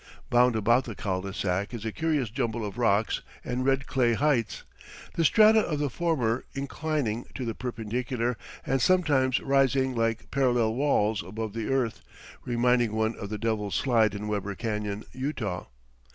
Bound about the cul de sac is a curious jumble of rocks and red clay heights; the strata of the former inclining to the perpendicular and sometimes rising like parallel walls above the earth, reminding one of the "Devil's Slide" in Weber Canon, Utah.